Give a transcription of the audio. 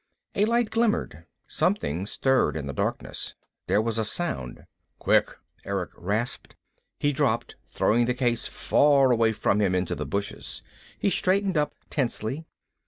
A light glimmered. Something stirred in the darkness. There was a sound. "Quick!" Erick rasped. He dropped, throwing the case far away from him, into the bushes. He straightened up tensely.